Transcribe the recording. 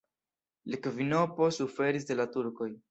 La kvinopo suferis de la turkoj.